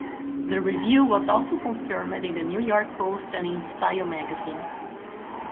The reveal was also confirmed in The New York Post and In Style Magazine.